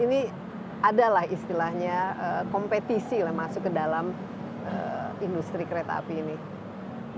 ini adalah istilahnya kompetisi lah masuk ke dalam industri kereta api ini